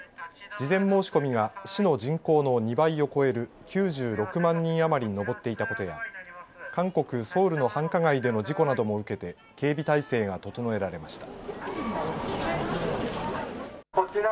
事前申し込みが市の人口の２倍を超える９６万人余りに上っていたことや韓国・ソウルの繁華街での事故なども受けて警備態勢が整えられました。